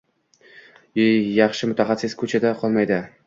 Yaxshi mutaxassis ko'chada qolmaydi